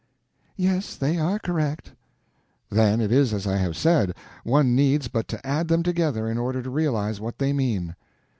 "Yes, they are correct." "Then it is as I have said: one needs but to add them together in order to realize what they mean."